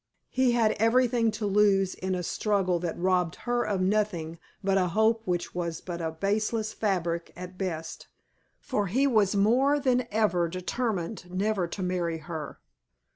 he had everything to lose in a struggle that robbed her of nothing but a hope which was but a baseless fabric at best; for he was more than ever determined never to marry her.